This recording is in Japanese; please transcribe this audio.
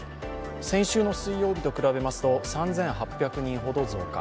先週の水曜日と比べますと３８００人ほど増加。